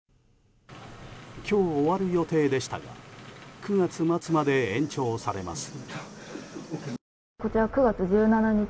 今日、終わる予定でしたが９月末まで延長されます。